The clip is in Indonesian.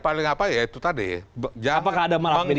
paling apa ya itu tadi ya jangan